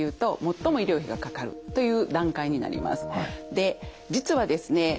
で実はですね